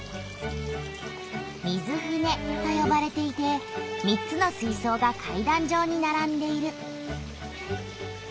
水舟とよばれていて３つの水そうが階段じょうにならんでいる。